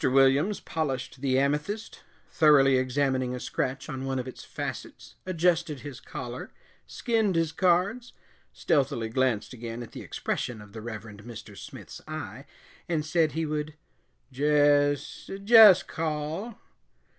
Williams polished the amethyst, thoroughly examining a scratch on one of its facets, adjusted his collar, skinned his cards, stealthily glanced again at the expression of the Reverend Mr. Smith's eye, and said he would "Jess jess call."